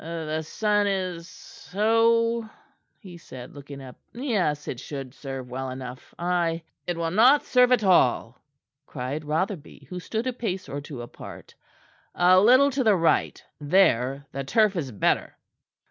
"The sun is So?" he said, looking up. "Yes; it should serve well enough, I " "It will not serve at all," cried Rotherby, who stood a pace or two apart. "A little to the right, there, the turf is better."